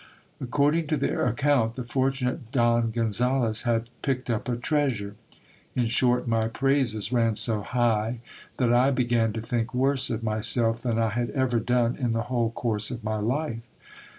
According to their account, the fortunate Don Gonzales had picked up a treasure. In short, my praises ran so high, that I began to think worse of myself than I had ever done in the whole course of my life.